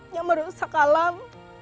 yang merusak alam